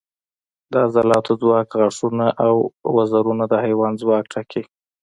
د عضلاتو ځواک، غاښونه او وزرونه د حیوان ځواک ټاکي.